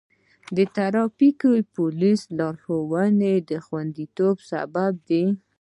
د ټرافیک پولیسو لارښوونې د خوندیتوب سبب دی.